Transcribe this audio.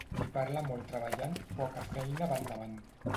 Qui parla molt treballant poca feina va endavant.